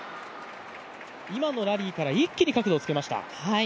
今のラリーから一気に角度をつけました。